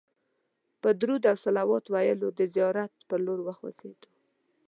په درود او صلوات ویلو د زیارت پر لور وخوځېدو.